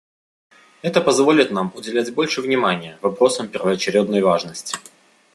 Это позволит нам уделять больше внимания вопросам первоочередной важности.